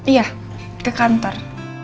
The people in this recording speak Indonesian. iya ke kantor